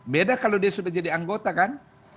beda kalau dia sudah jadi anggota kan